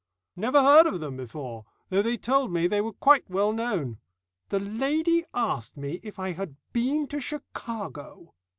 "Never heard of them before, though they told me they were quite well known. The lady asked me if I had been to Chicago."